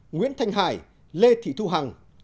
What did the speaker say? nguyễn thanh hải lê thị thu hằng